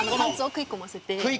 食い込ませて。